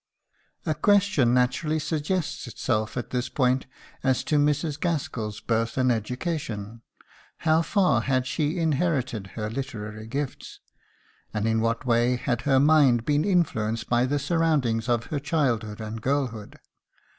A question naturally suggests itself at this point as to Mrs. Gaskell's birth and education. How far had she inherited her literary gifts? And in what way had her mind been influenced by the surroundings of her childhood and girlhood?